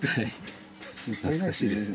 懐かしいですね。